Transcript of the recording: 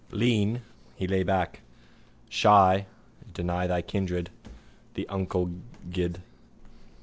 Lean, he lay back. Shy, deny thy kindred, the unco guid.